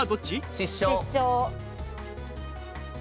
失笑。